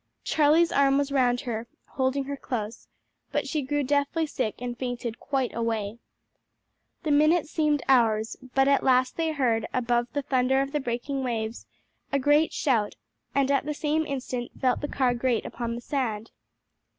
Charlie's arm was round her, holding her close, but she grew deathly sick and fainted quite away. The minutes seemed hours, but at last they heard, above the thunder of the breaking waves, a great shout, and at the same instant felt the car grate upon the sand.